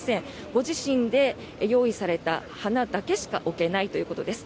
ご自身で用意された花だけしか置けないということです。